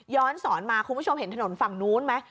สอนมาคุณผู้ชมเห็นถนนฝั่งนู้นไหม